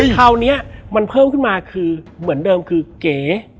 คราวนี้มันเพิ่มขึ้นมาคือเหมือนเดิมคือเก๋